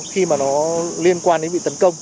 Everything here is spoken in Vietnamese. khi mà nó liên quan đến bị tấn công